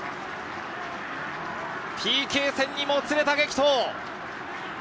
ＰＫ戦にもつれた激闘。